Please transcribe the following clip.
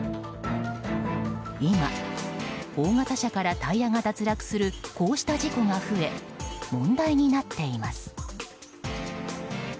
今、大型車からタイヤが脱落するこうした事故が増え問題になっています。